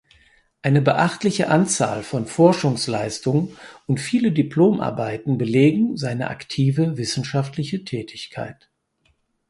Eine beachtliche Anzahl von Forschungsleistungen und viele Diplomarbeiten belegen seine aktive wissenschaftliche Tätigkeit.